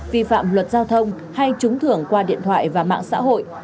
vi phạm luật giao thông hay trúng thưởng qua điện thoại và mạng xã hội